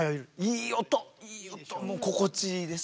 いい音もう心地いいです。